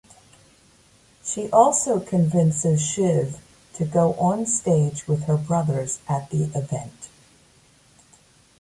She also convinces Shiv to go onstage with her brothers at the event.